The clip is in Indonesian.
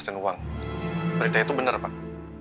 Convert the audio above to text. dan uang berita itu bener pak